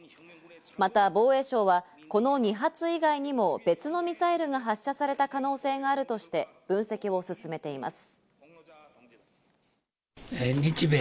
また防衛省はこの２発以外にも別のミサイルが発射された可能性があるとして分析を進めています。